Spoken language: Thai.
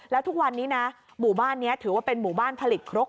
แล้วทุกวันนี้นะหมู่บ้านนี้ถือว่าเป็นหมู่บ้านผลิตครก